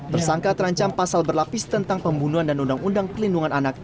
tersangka terancam pasal berlapis tentang pembunuhan dan undang undang pelindungan anak